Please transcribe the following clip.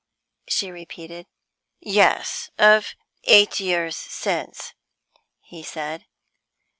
_" she repeated. "Yes of eight years since," he said.